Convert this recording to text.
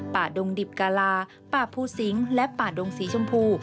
ดงดิบกาลาป่าภูสิงและป่าดงสีชมพู